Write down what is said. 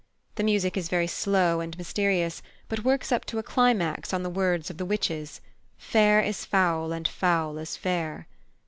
The music is very slow and mysterious, but works up to a climax on the words of the Witches, "Fair is foul and foul is fair."